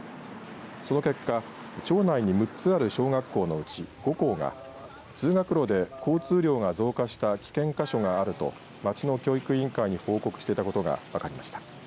その結果、町内にある６つある小学校のうち５校が通学路で交通量が増加した危険箇所があると町の教育委員会に報告していたことが分かりました。